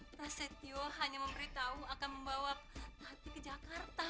prasetyo hanya memberitahu akan membawa hati ke jakarta